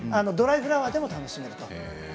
ドライフラワーでも楽しめます。